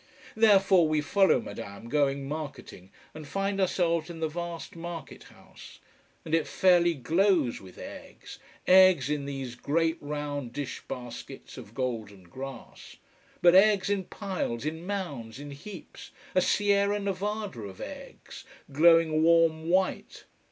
Therefore we follow Madame going marketing, and find ourselves in the vast market house, and it fairly glows with eggs: eggs in these great round dish baskets of golden grass: but eggs in piles, in mounds, in heaps, a Sierra Nevada of eggs, glowing warm white.